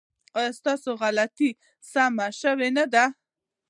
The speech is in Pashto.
ایا ستاسو غلطۍ سمې شوې نه دي؟